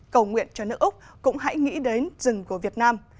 cầu nguyện cho nước úc cũng hãy nghĩ đến rừng của việt nam